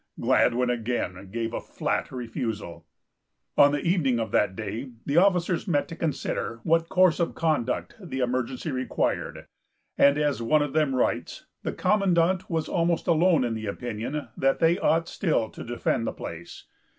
Gladwyn again gave a flat refusal. On the evening of that day, the officers met to consider what course of conduct the emergency required; and, as one of them writes, the commandant was almost alone in the opinion that they ought still to defend the place.